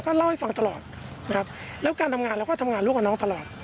ก็เล่าให้ฟังตลอดนะครับแล้วการทำงานเราก็ทำงานร่วมกับน้องตลอด